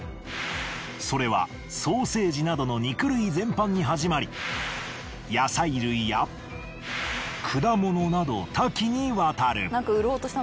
それはソーセージなどの肉類全般にはじまり野菜類や果物など多岐にわたる。